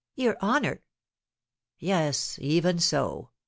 "Your honour?" "Yes, even so.